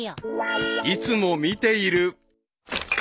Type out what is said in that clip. ［いつも見ている］